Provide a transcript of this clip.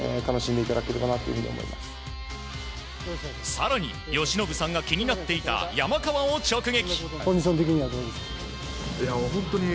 更に、由伸さんが気になっていた山川を直撃。